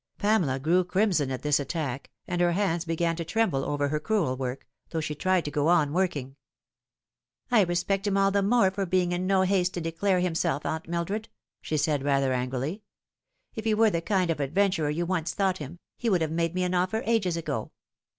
Pamela grew crimson at this attack, and her hands began to tremble over her crewel work, though she tried to go on working. '' I respect him all the more for being in no haste to declare himself, Aunt Mildred," she said, rather angrily. " If he were the kind of adventurer you once thought him, he would have made me an offer ages ago.